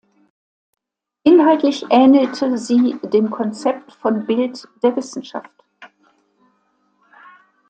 Inhaltlich ähnelte sie dem Konzept von Bild der Wissenschaft.